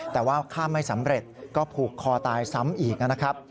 แต่ว่าข้ามไม่สำเร็จก็ผูกคอตายซ้ำอีกนะครับ